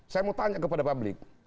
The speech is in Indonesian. saya mau tanya kepada publik